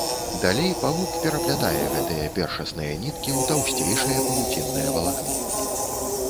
Далей павук пераплятае гэтыя першасныя ніткі ў таўсцейшае павуціннае валакно.